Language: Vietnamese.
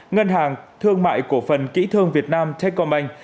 ngân hàng thương mại cổ phần kỹ thương việt nam techcombank